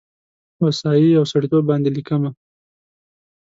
هوسايي او سړیتوب باندې لیکمه